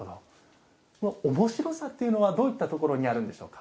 おもしろさっていうのはどういったところにあるんでしょうか？